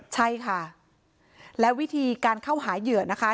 ใช่ค่ะและวิธีการเข้าหาเหยื่อนะคะ